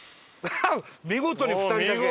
見事に２人だけ！